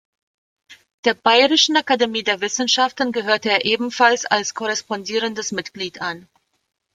Der Bayerischen Akademie der Wissenschaften gehörte er ebenfalls als korrespondierendes Mitglied an.